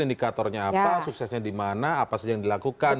indikatornya apa suksesnya dimana apa saja yang dilakukan